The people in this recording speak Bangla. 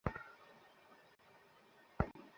না মা, আমি গে না।